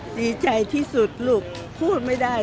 ดีใจที่สุดลูกพูดไม่ได้